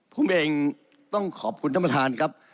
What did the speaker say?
ผมเองต้องขอบคุณท่านประธานครับ